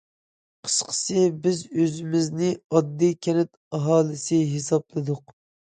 قىسقىسى، بىز ئۆزىمىزنى ئاددىي كەنت ئاھالىسى ھېسابلىدۇق.